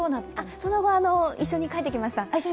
その後、一緒に帰ってきました。